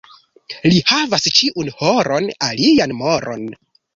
Li havas ĉiun horon alian moron.